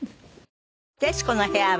『徹子の部屋』は